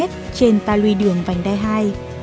trên ta luy đường vành đai hai